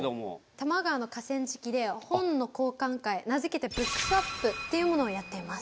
多摩川の河川敷で本の交換会名付けてＢｏｏｋｓｗａｐっていうものをやっています。